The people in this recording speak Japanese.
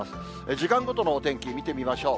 時間ごとのお天気見てみましょう。